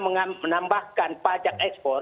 menambahkan pajak ekspor